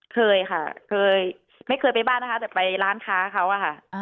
เคยค่ะเคยไม่เคยไปบ้านนะคะแต่ไปร้านค้าเขาอะค่ะ